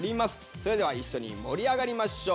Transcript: それでは一緒に盛り上がりましょう。